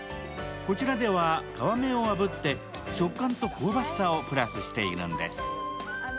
こちらでは皮目をあぶって食感と香ばしさをプラスしているんです。